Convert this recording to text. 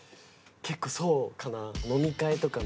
結構そうかな。えっ！